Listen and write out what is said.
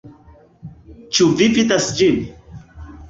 Ĉu vi vidas ĝin?